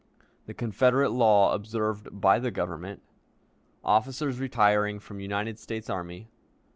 The Confederate Law observed by the Government. Officers retiring from United States Army.